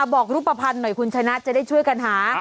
บอกรูปภัณฑ์หน่อยคุณชนะจะได้ช่วยกันหา